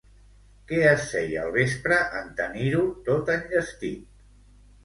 Què es feia al vespre, en tenir-ho tot enllestit?